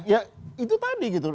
ya itu tadi